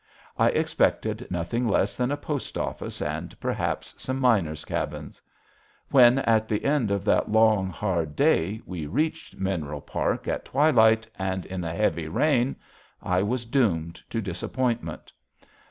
I expected nothing less than a post office and perhaps some miners' cabins. When, at the end of that long, hard day, we reached Mineral Park at twilight and in a heavy rain, I was doomed to disappointment.